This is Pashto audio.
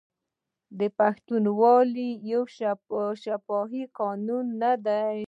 آیا پښتونولي یو شفاهي قانون نه دی؟